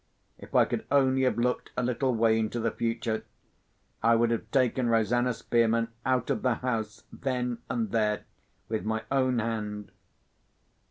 If I could only have looked a little way into the future, I would have taken Rosanna Spearman out of the house, then and there, with my own hand.